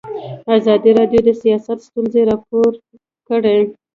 ازادي راډیو د سیاست ستونزې راپور کړي.